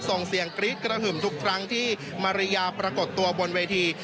ส่งเสียงกรี๊ดกระหึ่มทุกครั้งที่มาริยาปรากฏตัวบนเวที